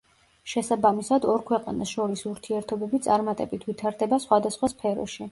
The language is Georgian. შესაბამისად, ორ ქვეყანას შორის ურთიერთობები წარმატებით ვითარდება სხვადასხვა სფეროში.